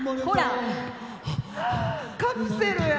カプセルや！